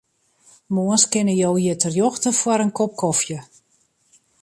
Moarns kinne jo hjir terjochte foar in kop kofje.